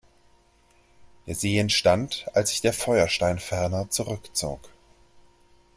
Der See entstand, als sich der Feuerstein-Ferner zurückzog.